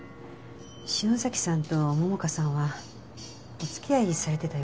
篠崎さんと桃花さんはお付き合いされてたようです。